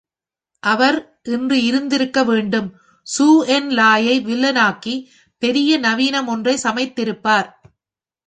அவர் இன்று இருந்திருக்கவேண்டும் Chou En லாயை வில்லனாக்கி பெரிய நவீனம் ஒன்றைச் சமைத்திருப்பார்!